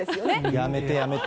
やめて、やめて。